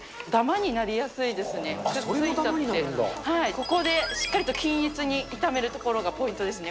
ここでしっかりと均一に炒めるところがポイントですね。